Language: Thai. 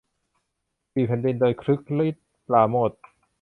สี่แผ่นดิน โดย คึกฤทธิ์ ปราโมช